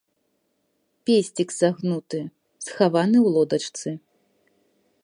Песцік сагнуты, схаваны ў лодачцы.